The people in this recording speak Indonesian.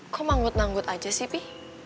kok manggut nanggut aja sih pi